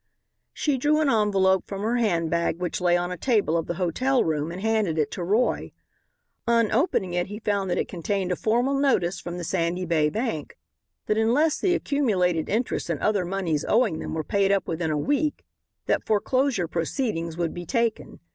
She drew an envelope from her handbag which lay on a table of the hotel room and handed it to Roy. On opening it, he found that it contained a formal notice from the Sandy Bay Bank, that unless the accumulated interest and other moneys owing them were paid up within a week that foreclosure proceedings would be taken.